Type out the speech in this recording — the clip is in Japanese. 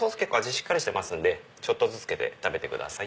しっかりしてますんでちょっとずつつけてください。